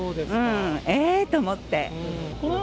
えーっと思って。